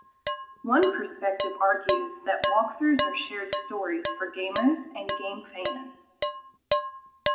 One perspective argues that walkthroughs are shared stories for gamers and game fans.